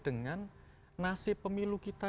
dengan nasib pemilu kita